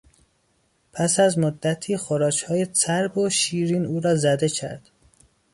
پس از مدتی خوراکهای چرب و شیرین او را زده کرد.